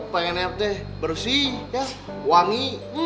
pengen nyampe bersih wangi